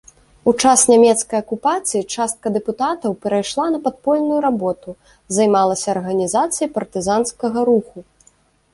У час нямецкай акупацыі частка дэпутатаў перайшла на падпольную работу, займалася арганізацыяй партызанскага руху.